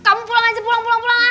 kamu pulang aja pulang pulang pulangan